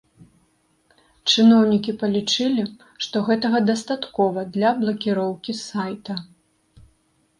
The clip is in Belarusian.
Чыноўнікі палічылі, што гэтага дастаткова для блакіроўкі сайта.